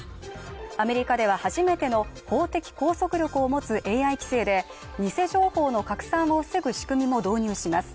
アメリカでは初めての法的拘束力を持つＡＩ規制で偽情報の拡散を防ぐ仕組みも導入します